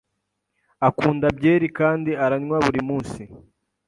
Akunda byeri kandi aranywa buri munsi.